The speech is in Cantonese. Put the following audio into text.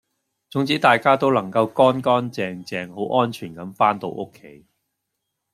總之大家都能夠乾乾淨淨好安全咁番到屋企